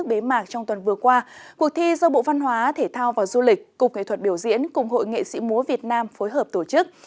các giáo bộ văn hóa thể thao và du lịch cục nghệ thuật biểu diễn cùng hội nghệ sĩ múa việt nam phối hợp tổ chức